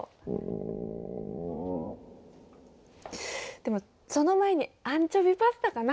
でもその前にアンチョビパスタかな。